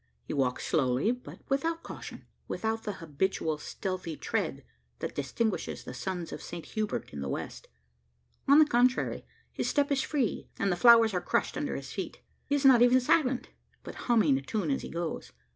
He walks slowly, but without caution without that habitual stealthy tread that distinguishes the sons of Saint Hubert in the West. On the contrary, his step is free, and the flowers are crushed under his feet. He is not even silent; but humming a tune as he goes.